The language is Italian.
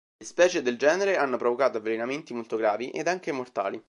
Le specie del genere hanno provocato avvelenamenti molto gravi ed anche mortali.